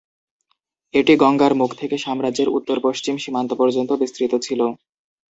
এটি গঙ্গার মুখ থেকে সাম্রাজ্যের উত্তর পশ্চিম সীমান্ত পর্যন্ত বিস্তৃত ছিল।